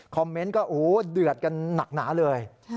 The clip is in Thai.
เมนต์ก็เดือดกันหนักหนาเลย